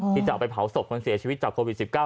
ที่จะเอาไปเผาศพคนเสียชีวิตจากโควิด๑๙